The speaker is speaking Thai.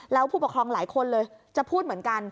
แล้วผู้ปกครองหลายคนเลยจะพูดเหมือนกัน